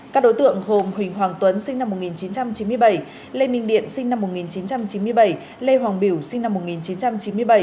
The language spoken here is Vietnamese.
các đối tượng gồm huỳnh hoàng tuấn sinh năm một nghìn chín trăm chín mươi bảy lê minh điện sinh năm một nghìn chín trăm chín mươi bảy lê hoàng biểu sinh năm một nghìn chín trăm chín mươi bảy